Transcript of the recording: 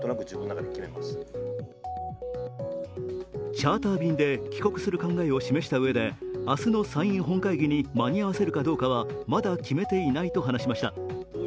チャーター便で帰国する考えを示したうえで、明日の参院本会議に間に合わせるかどうかはまだ決めていないと話しました。